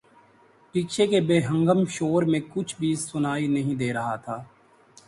رکشے کے بے ہنگم شور میں کچھ بھی سنائی نہیں دے رہا تھا۔